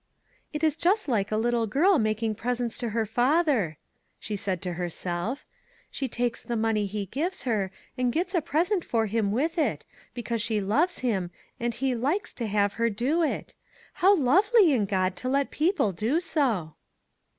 " It is just like a little girl making presents to her father," she said to herself; "she takes the money he gives her and gets a present for him with it, because she loves him, and he likes to have her do it. How lovely in God to let people do so